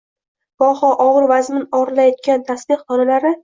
goho og'ir-vazmin o'girilayotgan tasbeh donalari.